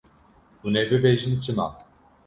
Hûn ê bibêjin çima?